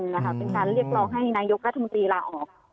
เป็นการเรียกร้องให้นายกรัฐมนตรีลาออก